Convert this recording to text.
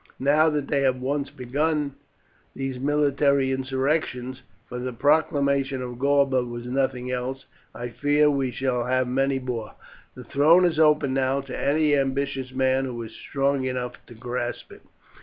Now that they have once begun these military insurrections, for the proclamation of Galba was nothing else, I fear we shall have many more. The throne is open now to any ambitious man who is strong enough to grasp it.